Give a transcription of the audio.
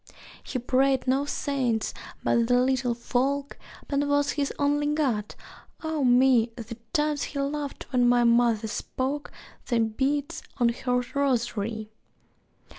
He prayed no saints but the Little Folk, Pan was his only god; ah me, The times he laughed when my mother spoke The beads on her rosary!